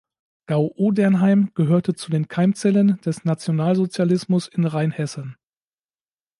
Gau-Odernheim gehörte zu den Keimzellen des Nationalsozialismus in Rheinhessen.